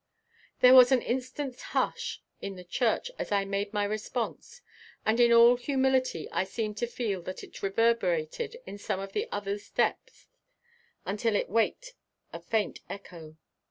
There was an instant's hush in the church as I made my response and in all humility I seemed to feel that it reverberated in some of the others' depths until it waked a faint echo.